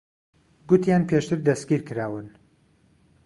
گوتیان پێشتر دەستگیر کراون.